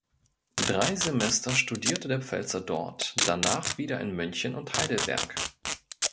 Drei Semester studierte der Pfälzer dort, danach wieder in München und Heidelberg.